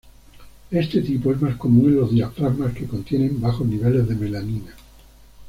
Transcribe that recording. Este tipo es más común en los diafragmas que contienen bajos niveles de melanina.